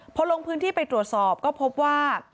พอลงพื้นที่ไปตรวจสอบก็พบว่า